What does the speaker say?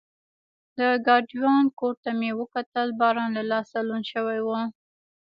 د ګاډیوان کوټ ته مې وکتل، باران له لاسه لوند شوی و.